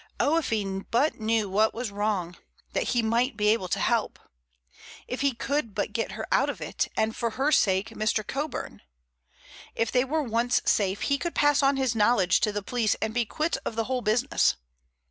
Oh, if he but knew what was wrong, that he might be able to help! If he could but get her out of it, and for her sake Mr. Coburn! If they were once safe he could pass on his knowledge to the police and be quit of the whole business.